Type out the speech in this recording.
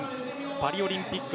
パリオリンピック